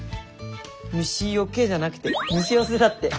「虫よけ」じゃなくて「虫よせ」だって。